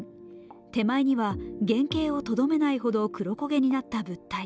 手前には原形をとどめないほど黒こげになった物体。